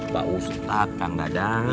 pak ustadz kang dadang